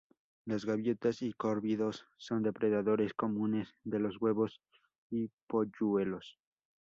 Las gaviotas y córvidos son depredadores comunes de los huevos y polluelos.